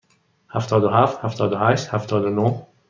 هفتاد و هفت، هفتاد و هشت، هفتاد و نه.